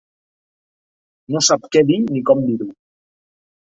No sap què dir ni com dirho.